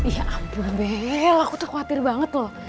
ya ampun bel aku tuh khawatir banget loh